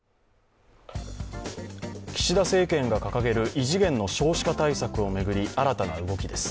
岸田政権が掲げる異次元の少子化対策を巡り、新たな動きです。